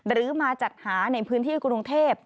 หรือมาจัดหาในพื้นที่กรุงเทพ